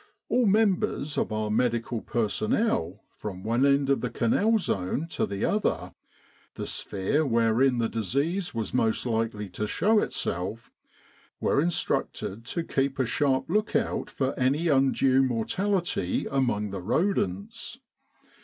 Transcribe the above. All members of our medical personnel from one end of the Canal zone to the other the sphere wherein the disease was most likely to show itself were instructed to keep a sharp look out for any undue mortality among the rodents.